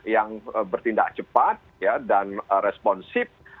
yang bertindak cepat dan responsif